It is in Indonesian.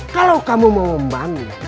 kalau kamu mau memban